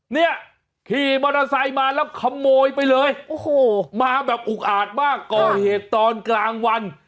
เนี่ยขี่มอเตอร์ไซค์มาแล้วขโมยไปเลยโอ้โหมาแบบอุกอาจมากก่อเหตุตอนกลางวัน